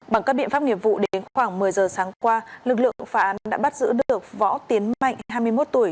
bằng các biện pháp nghiệp vụ đến khoảng một mươi giờ sáng qua lực lượng phá án đã bắt giữ được võ tiến mạnh hai mươi một tuổi